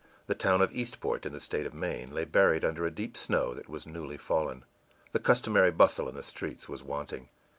The town of Eastport, in the state of Maine, lay buried under a deep snow that was newly fallen. The customary bustle in the streets was wanting.